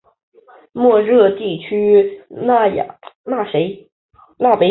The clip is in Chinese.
莫热地区讷维。